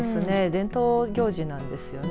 伝統行事なんですよね。